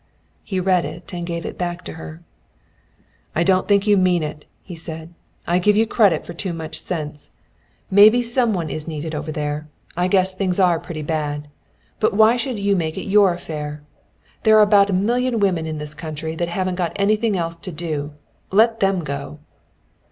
He read it and gave it back to her. "I don't think you mean it," he said. "I give you credit for too much sense. Maybe some one is needed over there. I guess things are pretty bad. But why should you make it your affair? There are about a million women in this country that haven't got anything else to do. Let them go."